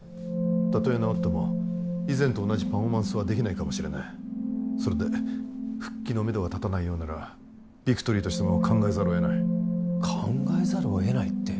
たとえ治っても以前と同じパフォーマンスはできないかもしれないそれで復帰のめどが立たないようならビクトリーとしても考えざるを得ない考えざるを得ないって？